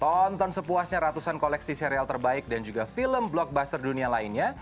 tonton sepuasnya ratusan koleksi serial terbaik dan juga film blockbuster dunia lainnya